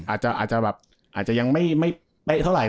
อาจจะยังไม่ไปเท่าไหร่